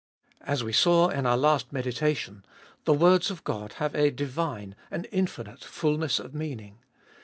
As we saw in our last meditation, the words of God have a divine, an infinite fulness of meaning.